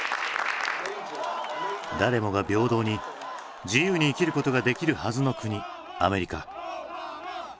誰もが平等に自由に生きることができるはずの国アメリカ。